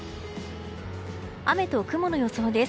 雨と雲の予想です。